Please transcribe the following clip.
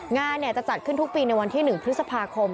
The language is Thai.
งานจะจัดขึ้นทุกปีในวันที่๑พฤษภาคม